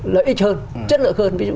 lợi ích hơn chất lượng hơn